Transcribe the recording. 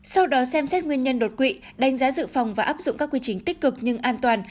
sau đó xem xét nguyên nhân đột quỵ đánh giá dự phòng và áp dụng các quy trình tích cực nhưng an toàn